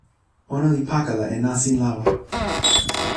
ona li pakala e nasin lawa.